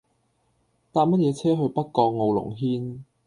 搭乜嘢車去北角傲龍軒